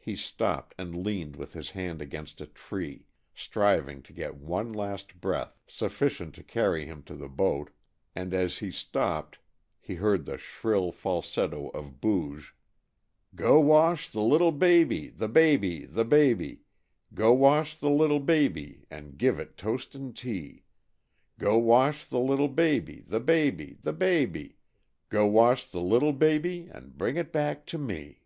He stopped and leaned with his hand against a tree, striving to get one last breath sufficient to carry him to the boat, and as he stopped he heard the shrill falsetto of Booge: Go wash the little baby, the baby, the baby, Go wash the little baby, and give it toast and tea, Go wash the little baby, the baby, the baby, Go wash the little baby and bring it back to me.